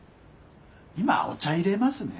今お茶いれますね。